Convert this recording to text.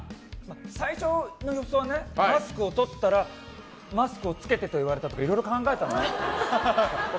最初の予想はマスクを取ったらマスクを着けてと言われたとかいろいろ考えたの。